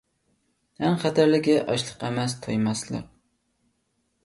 ئەڭ خەتەرلىكى ئاچلىق ئەمەس، تويماسلىق!